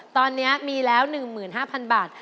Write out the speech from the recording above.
ตอนนี้มีแล้ว๑๕๐๐๐บาท